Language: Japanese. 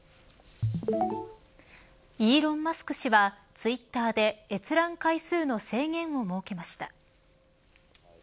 イーロン・マスク氏はツイッターで、閲覧回数の制限を設けました。